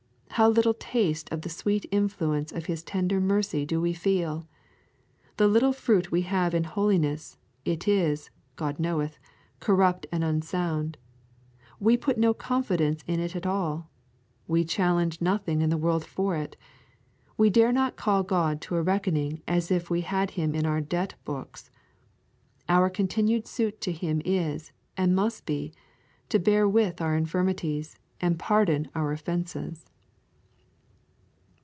How little taste of the sweet influence of His tender mercy do we feel! The little fruit we have in holiness, it is, God knoweth, corrupt and unsound; we put no confidence at all in it, we challenge nothing in the world for it, we dare not call God to a reckoning as if we had Him in our debt books; our continued suit to Him is, and must be, to bear with our infirmities, and to pardon our offences.'